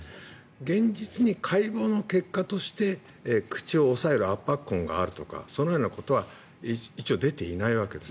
現実に解剖の結果として口を押さえる圧迫痕があるとかそのようなことは一応、出ていないわけです。